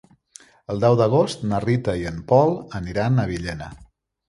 El deu d'agost na Rita i en Pol aniran a Villena.